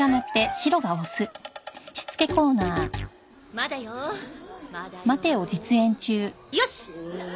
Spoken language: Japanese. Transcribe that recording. まだよまだよよし！